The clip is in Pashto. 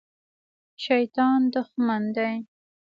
شیطان دښمن دی